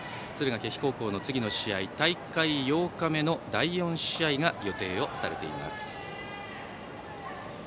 敦賀気比高校の次の試合は大会８日目の第４試合が予定をされています。